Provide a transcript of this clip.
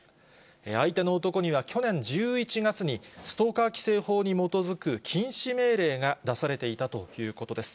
相手の男には、去年１１月に、ストーカー規制法に基づく禁止命令が出されていたということです。